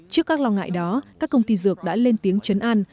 trước các lo ngại đó các công ty dược đã lên tiếng chấn an